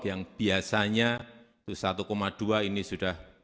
yang biasanya satu dua ini sudah